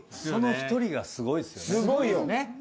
その１人がすごいっすよね。